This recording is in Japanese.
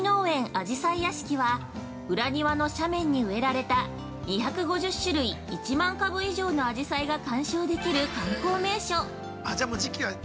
あじさい屋敷は、裏庭の斜面に植えられた２５０種類１万株以上のアジサイが鑑賞できる観光名所！